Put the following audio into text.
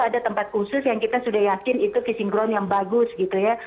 ada proses khusus yang kita sudah yakin itu kising kron yang bagus gitu ya